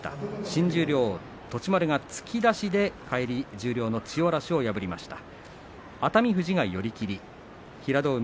新十両栃丸が突き出しで返り十両の千代嵐を破りました。